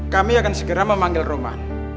kami akan segera memanggil roma